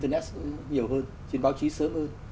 trên internet nhiều hơn trên báo chí sớm hơn